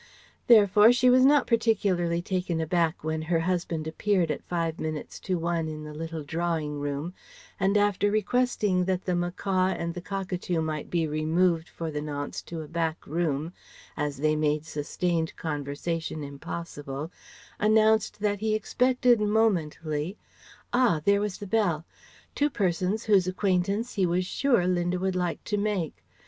Therefore she was not particularly taken aback when her husband appeared at five minutes to one in the little drawing room and after requesting that the macaw and the cockatoo might be removed for the nonce to a back room as they made sustained conversation impossible, announced that he expected momently ah! there was the bell two persons whose acquaintance he was sure Linda would like to make.